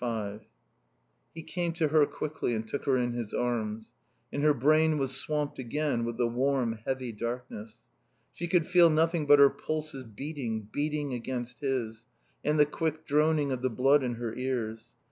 v He came to her quickly and took her in his arms. And her brain was swamped again with the warm, heavy darkness. She could feel nothing but her pulses beating, beating against his, and the quick droning of the blood in her ears.